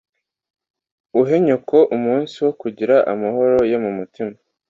Uhe nyoko umunsi wo kugira amahoro yo mumutima